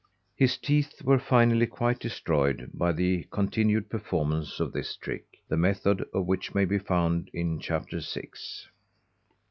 His teeth were finally quite destroyed by the continued performance of this trick, the method of which may be found in Chapter Six.